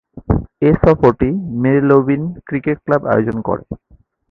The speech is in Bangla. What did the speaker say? এ সফরটি মেরিলেবোন ক্রিকেট ক্লাব আয়োজন করে।